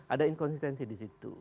ada inkonsistensi di situ